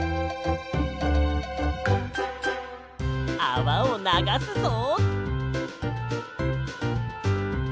あわをながすぞ。